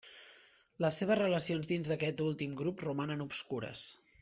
Les seves relacions dins d'aquest últim grup romanen obscures.